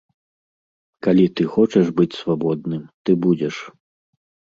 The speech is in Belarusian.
Калі ты хочаш быць свабодным, ты будзеш.